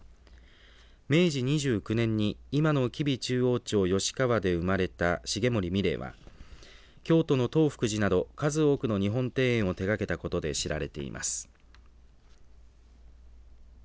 明治２９年に今の吉備中央町吉川で生まれた重森三玲は京都の東福寺など数多くの日本庭園を手がけたことで知られています。